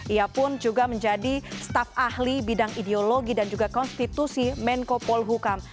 ia pun juga menjadi staf ahli bidang ideologi dan juga konstitusi menko polhukam